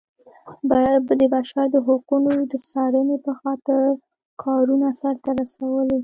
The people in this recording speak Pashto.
د بشر د حقونو د څارنې په خاطر کارونه سرته رسولي.